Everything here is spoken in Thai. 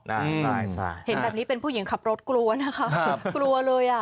ใช่เห็นแบบนี้เป็นผู้หญิงขับรถกลัวนะคะกลัวเลยอ่ะ